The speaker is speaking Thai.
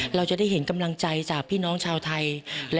เราจะได้เห็นกำลังใจจากพี่น้องชาวไทย